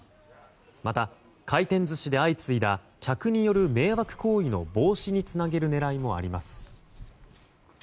また、回転寿司で相次いだ客による迷惑行為の防止につなげる狙いもあります。